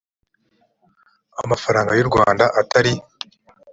amafaranga y u rwanda atari